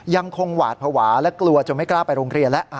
หวาดภาวะและกลัวจนไม่กล้าไปโรงเรียนแล้ว